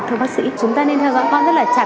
thưa bác sĩ chúng ta nên theo dõi con rất là chặt